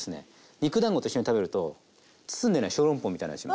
肉だんごと一緒に食べると包んでないショーロンポーみたいな味します。